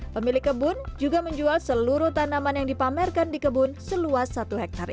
pemilik kebun juga menjual seluruh tanaman yang dipamerkan di kebun seluas satu hektare